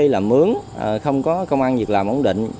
là mướn không có công an việc làm ổn định